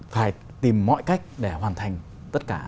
phải tìm mọi cách để hoàn thành tất cả